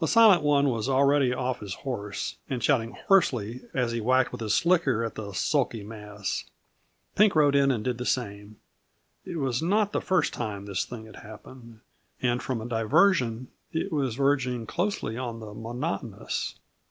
The Silent One was already off his horse and shouting hoarsely as he whacked with his slicker at the sulky mass. Pink rode in and did the same. It was not the first time this thing had happened, and from a diversion it was verging closely on the monotonous.